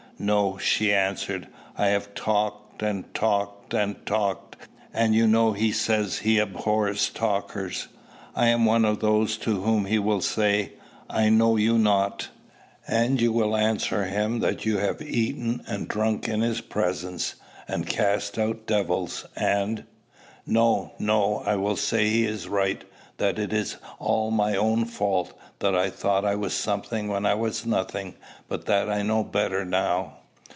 "No," she answered. "I have talked and talked and talked, and you know he says he abhors talkers. I am one of those to whom he will say 'I know you not.'" "And you will answer him that you have eaten and drunk in his presence, and cast out devils, and ?" "No, no: I will say he is right; that it is all my own fault; that I thought I was something when I was nothing, but that I know better now."